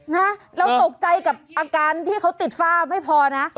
นะเราตกใจกับอาการที่เขาติดฝ้าไม่พอนะ